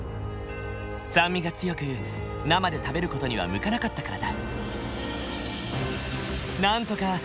酸味が強く生で食べる事には向かなかったからだ。